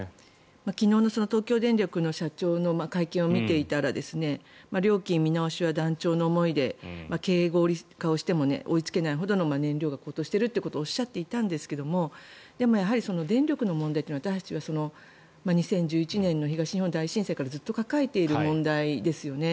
昨日の東京電力の社長の会見を見ていたら料金見直しは断腸の思いで経営合理化をしても追いつけないほど燃料が高騰しているとおっしゃっていたんですがでも、電力の問題は私たちは２０１１年の東日本大震災からずっと抱えている問題ですよね。